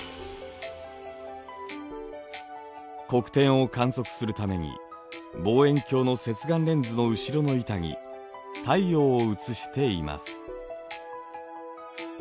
黒点を観測するために望遠鏡の接眼レンズの後ろの板に太陽を映しています。